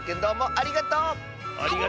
ありがとう！